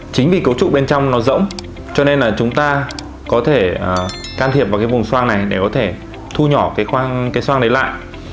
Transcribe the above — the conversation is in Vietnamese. chính vì cấu trúc bên trong nó rỗng cho nên là chúng ta có thể can thiệp vào cái vùng xoang này để có thể thu nhỏ cái xoang đấy lại